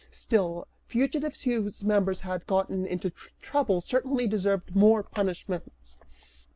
Still, fugitives whose members had gotten them into trouble certainly deserved some punishment.